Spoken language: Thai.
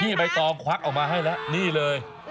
ใบตองควักออกมาให้แล้วนี่เลย